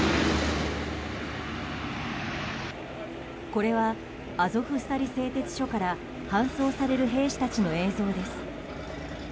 これはアゾフスタリ製鉄所から搬送される兵士たちの映像です。